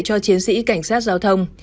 cho chiến sĩ cảnh sát giao thông